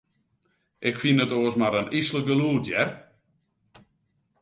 Ik fyn it oars mar in yslik gelûd, hear.